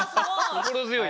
心強い。